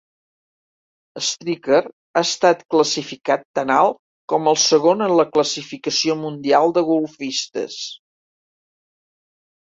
Stricker ha estat classificat tan alt com el segon en la classificació mundial de golfistes.